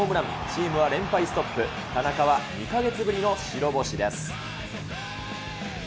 チームは連敗ストップ、田中は２か月ぶりの白星です。